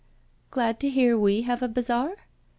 " Glad to hear we have a bazaar?"